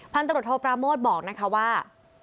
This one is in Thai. พันธมตรวจโทปราโมทบอกว่า